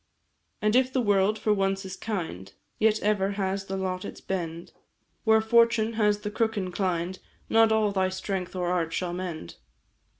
"And if the world for once is kind, Yet ever has the lot its bend; Where fortune has the crook inclined, Not all thy strength or art shall mend.